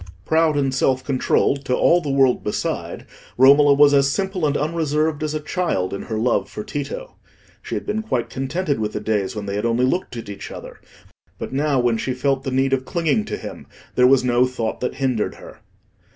Proud and self controlled to all the world beside, Romola was as simple and unreserved as a child in her love for Tito. She had been quite contented with the days when they had only looked at each other; but now, when she felt the need of clinging to him, there was no thought that hindered her.